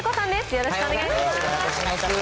よろしくお願いします。